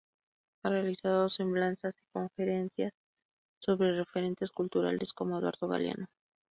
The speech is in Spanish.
Ha realizado semblanzas y conferencias sobre referentes culturales como Eduardo Galeano,